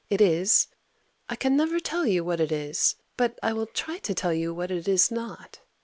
It is I can never tell you what it is: but I will try to tell you what it is not.